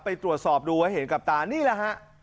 ไปตรวจสอบดูไว้เห็นกับตานี่แหละฮะ